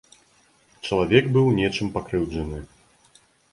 Чалавек быў нечым пакрыўджаны.